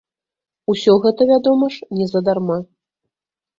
Усё гэта, вядома ж, незадарма.